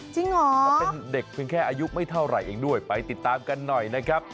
เหรอแล้วเป็นเด็กเพียงแค่อายุไม่เท่าไหร่เองด้วยไปติดตามกันหน่อยนะครับ